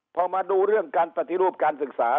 พอมาดูเรื่องการปฏิรูปการศึกษา